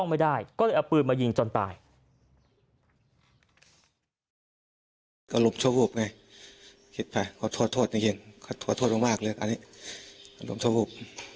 อารมณ์ชววูบ